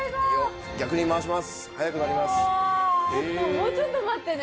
もうちょっと待ってね。